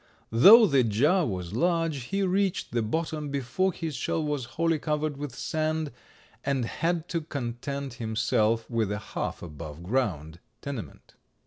Though the jar was large he reached the bottom before his shell was wholly covered with sand, and had to content himself with a half above ground tenement."